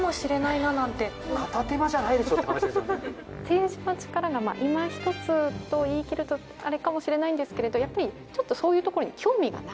政治の力がいまひとつと言い切るとあれかもしれないんですけれどやっぱりそういうところに。